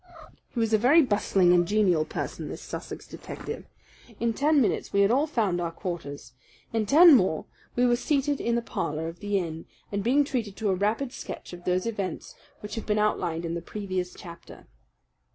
He was a very bustling and genial person, this Sussex detective. In ten minutes we had all found our quarters. In ten more we were seated in the parlour of the inn and being treated to a rapid sketch of those events which have been outlined in the previous chapter.